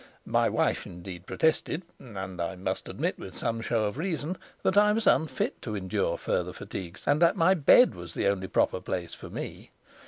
My wife indeed protested and I must admit with some show of reason that I was unfit to endure further fatigues, and that my bed was the only proper place for me.